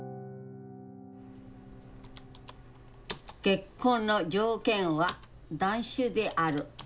結婚の条件は断種である。